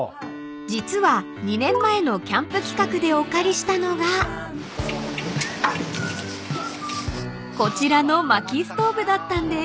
［実は２年前のキャンプ企画でお借りしたのがこちらのまきストーブだったんです］